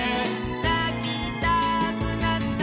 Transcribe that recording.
「なきたくなったら」